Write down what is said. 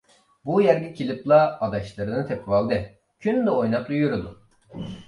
بۇ يەرگە كېلىپلا ئاداشلىرىنى تېپىۋالدى، كۈندە ئويناپلا يۈرىدۇ.